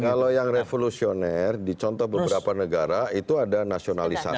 kalau yang revolusioner di contoh beberapa negara itu ada nasionalisasi